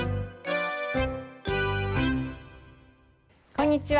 こんにちは。